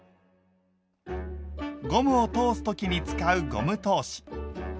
ゴムを通す時に使うゴム通し。